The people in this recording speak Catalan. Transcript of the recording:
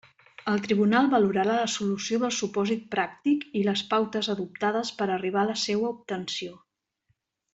El tribunal valorarà la solució del supòsit pràctic i les pautes adoptades per a arribar a la seua obtenció.